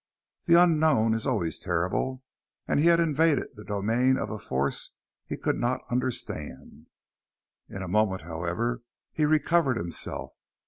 The unknown is always terrible, and he had invaded the domain of a force he could not understand. In a moment, however, he recovered himself.